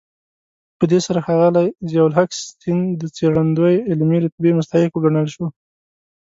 په دې سره ښاغلی ضياءالحق سیند د څېړندوی علمي رتبې مستحق وګڼل شو.